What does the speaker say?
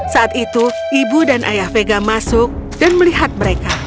saat itu ibu dan ayah vega masuk dan melihat mereka